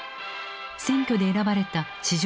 選挙で選ばれた史上